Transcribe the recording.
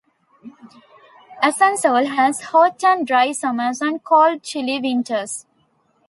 Asansol has hot and dry summers and cold chilly winters.